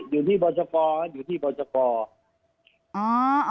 อยู่ที่อยู่ที่อยู่ที่